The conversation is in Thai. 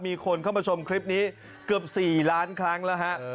มีคนเข้ามาชมคลิปนี้เกือบ๔ล้านครั้งแล้วฮะ